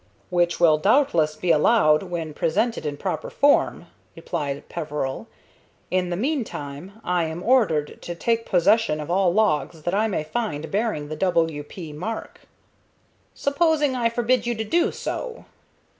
"Which will doubtless be allowed when presented in proper form," replied Peveril. "In the meantime I am ordered to take possession of all logs that I may find bearing the W. P. mark." "Supposing I forbid you to do so?"